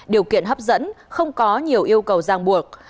điều kiện hấp dẫn không có nhiều yêu cầu giang buộc